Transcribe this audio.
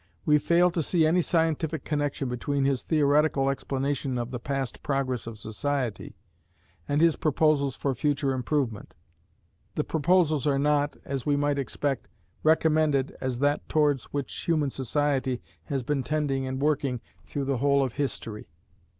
We fail to see any scientific connexion between his theoretical explanation of the past progress of society, and his proposals for future improvement. The proposals are not, as we might expect, recommended as that towards which human society has been tending and working through the whole of history.